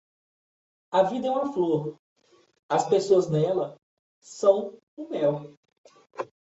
A vida é uma flor, as pessoas nela são o mel.